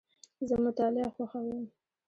زه مطالعه خوښوم.